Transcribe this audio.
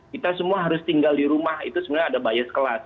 kita semua harus tinggal di rumah itu sebenarnya ada bias kelas